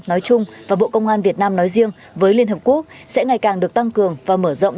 nói chung và bộ công an việt nam nói riêng với liên hợp quốc sẽ ngày càng được tăng cường và mở rộng